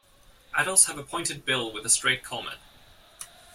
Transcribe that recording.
Adults have a pointed bill with a straight culmen.